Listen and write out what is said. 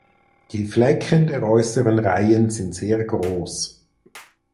Die Flecken der äußeren Reihen sind sehr groß.